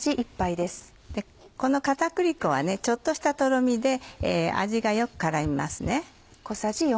この片栗粉はちょっとしたとろみで味がよく絡みますね。